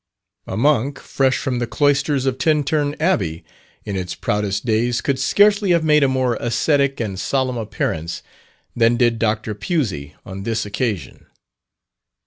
A monk fresh from the cloisters of Tintern Abbey, in its proudest days, could scarcely have made a more ascetic and solemn appearance than did Dr. Pusey on this occasion.